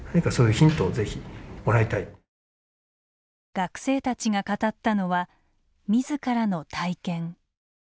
学生たちが語ったのは自らの体験。